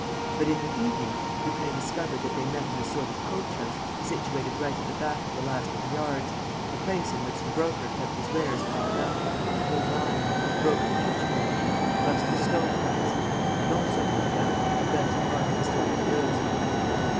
But, in the evening, Lupin discovered that they met in a sort of coach house situated right at the back of the last of the yards, a place in which the Broker kept his wares piled up: old iron, broken kitchen ranges, rusty stove pipes ... and also, no doubt, the best part of the stolen goods.